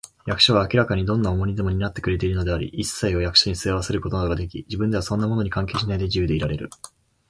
役所は明らかにどんな重荷でも担ってくれているのであり、いっさいを役所に背負わせることができ、自分ではそんなものに関係しないで、自由でいられる